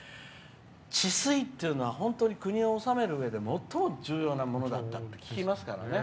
治水っていうのは本当に国を収めるうえで最も重要だったって聞きますからね。